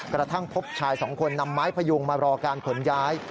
กระทั่งพบชายสองคนนำไม้พยุงมารอการขนย้าย